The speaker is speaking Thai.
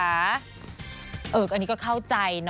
อันนี้ก็เข้าใจนะ